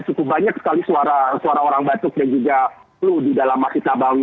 cukup banyak sekali suara orang batuk dan juga flu di dalam masjid nabawi